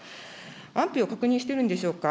安否を確認してるんでしょうか。